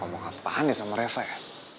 ngomong apaan deh sama reva ya